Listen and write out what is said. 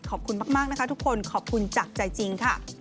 ขอบคุณมากนะคะทุกคนขอบคุณจากใจจริงค่ะ